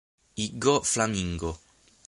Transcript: I Go Flamingo!